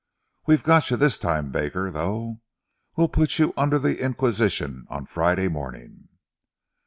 We've got you this time, Baker, though. We'll put you under the inquisition on Friday morning."